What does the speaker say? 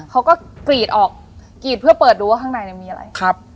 เขาก็กรีดออกกรีดเพื่อเปิดดูว่าข้างในเนี่ยมีอะไรครับ